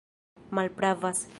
malpravas